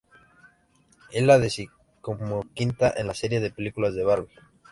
Es la decimoquinta en la serie de películas de Barbie.